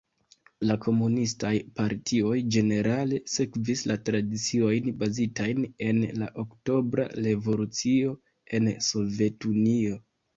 La komunistaj partioj ĝenerale sekvis la tradiciojn bazitajn en la Oktobra Revolucio en Sovetunio.